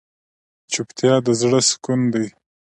چوپتیا، د زړه سکون دی.